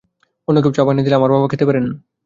অন্য কেউ চা বানিয়ে দিলে আমার বাবা খেতে পারেন না।